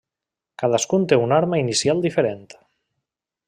Cadascun té una arma inicial diferent.